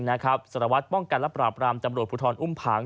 สารวัตรป้องกันและปราบรามตำรวจภูทรอุ้มผัง